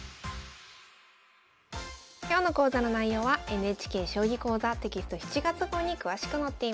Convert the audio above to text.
今日の講座の内容はＮＨＫ「将棋講座」テキスト７月号に詳しく載っています。